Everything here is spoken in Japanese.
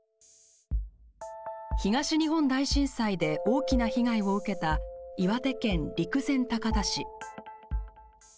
東日本大震災で大きな被害を受けた岩手県陸前高田市。